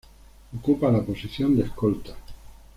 Ocupa la posición de escolta.